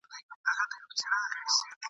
د رباب په غوږ کي وايی شهبازونه زما سندري ..